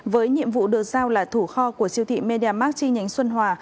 với nhiệm vụ được giao là thủ kho của siêu thị mediamarkt chi nhánh xuân hòa